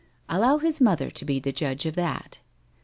' Allow his mother to be the judge of that.'